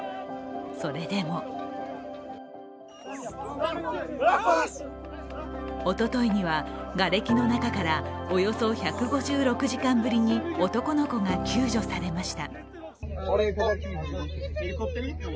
それでもおとといには、がれきの中からおよそ１５６時間ぶりに男の子が救助されました。